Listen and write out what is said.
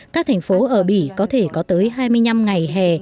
các thành phố ở bỉ có thể có tới hai mươi năm ngày hè